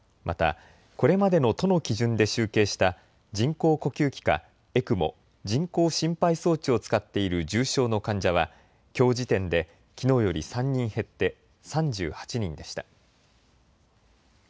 また、これまでの都の基準で集計した、人工呼吸器か、ＥＣＭＯ・人工心肺装置を使っている重症の患者は、きょう時点できのうより３人減って、３８人でした。